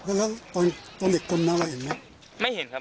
แล้วตอนเด็กคนเอาเป็นไหมเห็นไหม